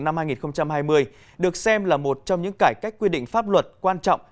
năm hai nghìn hai mươi được xem là một trong những cải cách quy định pháp luật quan trọng